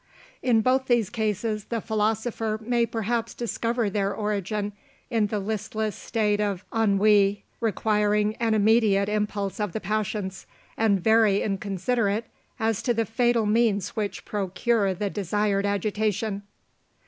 In both these cases the philosopher may perhaps discover their origin in the listless state of ennui requiring an immediate impulse of the passions, and very inconsiderate as to the fatal means which procure the desired agitation.